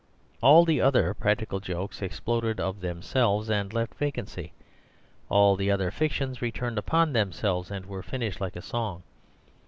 All the other practical jokes exploded of themselves, and left vacancy; all the other fictions returned upon themselves, and were finished like a song.